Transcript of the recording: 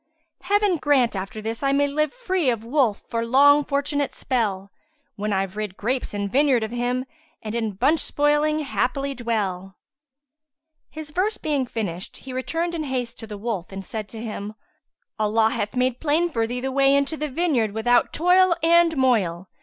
Heaven grant after this I may live * Free of Wolf for long fortunate spell When I've rid grapes and vineyard of him, * And in bunch spoiling happily dwell." His verse being finished he returned in haste to the wolf and said to him, "Allah hath made plain for thee the way into the vineyard without toil and moil.